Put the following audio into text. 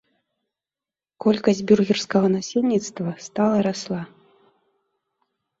Колькасць бюргерскага насельніцтва стала расла.